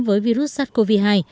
với virus covid một mươi chín